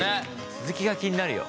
続きが気になるよ。